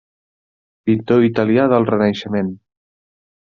Pintor italià del Renaixement.